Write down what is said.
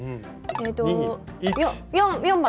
えっと４番！